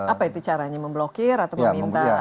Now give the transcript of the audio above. apa itu caranya memblokir atau meminta